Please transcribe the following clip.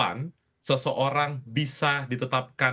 jadi ini adalah soal kapan seseorang bisa ditetapkan